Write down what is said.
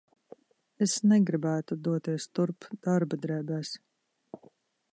Es negribētu doties turp darba drēbēs.